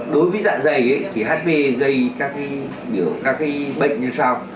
đối với dạ dày thì hp gây các bệnh như sau